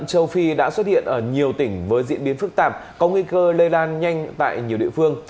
châu phi đã xuất hiện ở nhiều tỉnh với diễn biến phức tạp có nguy cơ lây lan nhanh tại nhiều địa phương